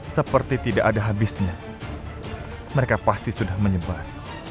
seperti tidak ada habisnya mereka pasti sudah menyebar